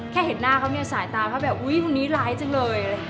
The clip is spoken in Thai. เห็นหน้าเขาเนี่ยสายตาเขาแบบอุ๊ยคนนี้ร้ายจังเลย